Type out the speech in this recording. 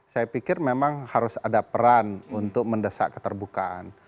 saya pikir memang harus ada peran untuk mendesak keterbukaan